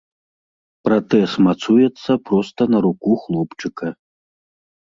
Пратэз мацуецца проста на руку хлопчыка.